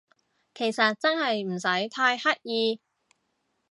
其實真係唔使太刻意